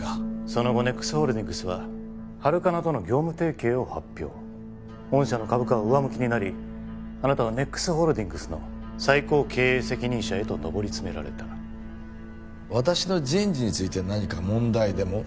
その後ＮＥＸホールディングスはハルカナとの業務提携を発表御社の株価は上向きになりあなたはＮＥＸホールディングスの最高経営責任者へと上り詰められた私の人事について何か問題でも？